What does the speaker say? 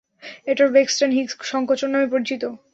এটা ব্রেক্সটন-হিকস সংকোচন নামে পরিচিত।